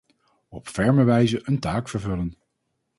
Op ferme wijze een taak vervullen.